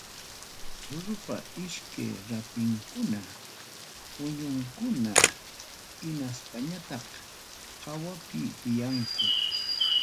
Rurupa iskay rapinkunam huñunakunku, hinaspañataq hawapi tiyanku.